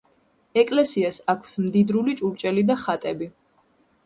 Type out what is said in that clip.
ეკლესიას აქვს მდიდრული ჭურჭელი და ხატები.